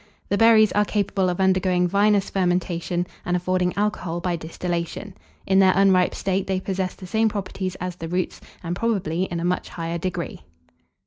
The berries are capable of undergoing vinous fermentation, and affording alcohol by distillation. In their unripe state they possess the same properties as the roots, and probably in a much higher degree.